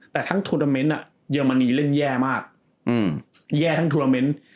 แต่ทั้งโทรเตอร์เมนต์เยอร์มันนีเล่นแย่มากแย่ทั้งโทรเตอร์เมนต์